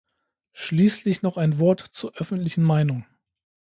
Schließlich noch ein Wort zur öffentlichen Meinung.